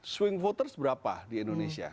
swing voters berapa di indonesia